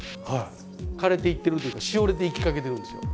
枯れていってるというかしおれていきかけてるんですよ。